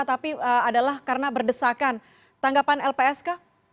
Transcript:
tapi adalah karena berdesakan tanggapan lpsk